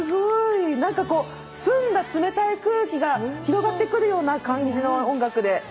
澄んだ冷たい空気が広がってくるような感じの音楽で。